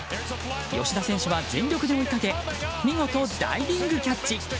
吉田選手は全力で追いかけ見事ダイビングキャッチ！